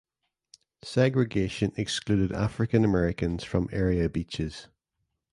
Segregation excluded African Americans from area beaches.